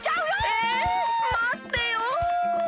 えまってよ！